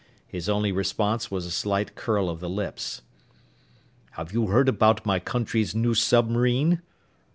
His only response was a slight curl of the lips. "Have you heard about my country's new submarine?"